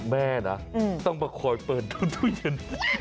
แม่นะต้องมาคอยเปิดดูตู้เย็น